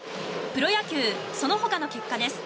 プロ野球そのほかの結果です。